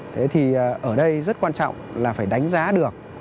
thế thì ở đây rất quan trọng là phải đánh giá được